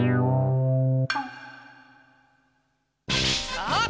さあ！